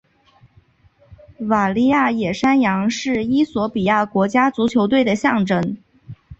瓦利亚野山羊是衣索比亚国家足球队的象征。